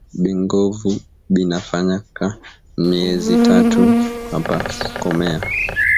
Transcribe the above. Bingovu bina fanyaka myezi tatu pa kukomea